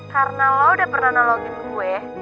karena lo udah pernah nolongin gue